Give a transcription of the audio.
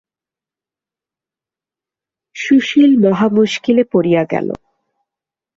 সুশীল মহা মুশকিলে পড়িয়া গেল।